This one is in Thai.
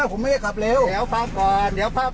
อ้าวโอเคได้ครับได้ครับ